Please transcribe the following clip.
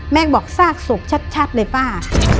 แหม่งบอกสากสกชัดเลยป้า